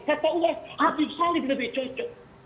kata uas habib salim lebih cocok